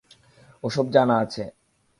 ওসব জানা আছে।